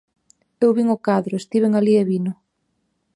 Eu vin o cadro, estiven alí e vino.